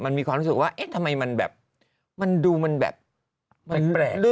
มันมีความรู้สึกว่าเอ๊ะทำไมมันแบบมันดูมันแบบแปลก